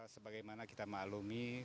sebagai mana kita mengalami